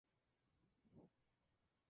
Se encuentra en el Uruguay.